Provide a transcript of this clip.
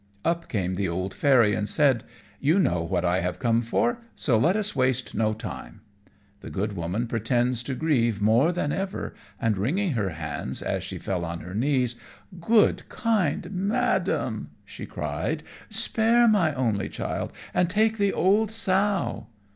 Up came the old Fairy, and said, "You know what I have come for, so let us waste no time." The good woman pretends to grieve more than ever, and wringing her hands as she fell on her knees, "Good, kind Madam," she cried, "spare my only child, and take the old sow."